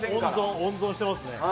温存、温存してますね。